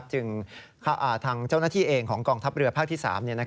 ทางเจ้าหน้าที่เองของกองทัพเรือภาคที่๓